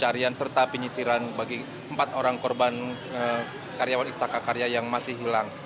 dan serta penyisiran bagi empat orang korban karyawan istaka karya yang masih hilang